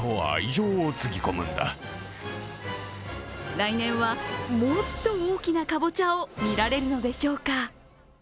来年はもっと大きなかぼちゃを見られるのでしょうか。